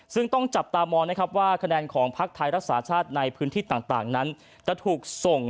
ซึ่งต้องจับตามองนะครับว่าคะแนนของพักไทยรักษาชาติในพื้นที่ต่างนั้นจะถูกส่ง